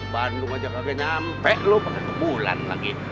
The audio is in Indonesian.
bandung aja kagak nyampe lo pake ke bulan lagi